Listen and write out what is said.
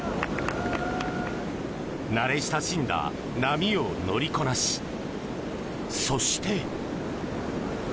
慣れ親しんだ波を乗りこなしそして。